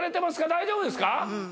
大丈夫ですか？